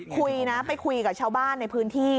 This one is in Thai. คุยนะไปคุยกับชาวบ้านในพื้นที่